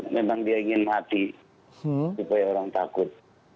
memang dia ingin mati supaya orang takut